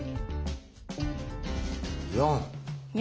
４。